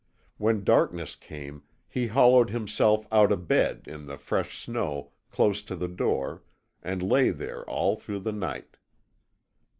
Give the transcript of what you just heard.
When darkness came he hollowed himself out a bed in the fresh snow close to the door and lay there all through the night.